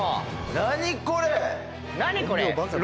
何これ！